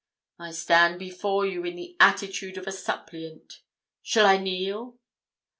I stand before you in the attitude of a suppliant shall I kneel?'